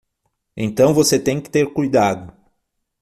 Então você tem que ter cuidado